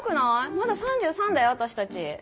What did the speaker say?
まだ３３だよ私たち。